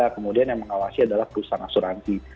kemudian yang mengawasi adalah perusahaan asuransi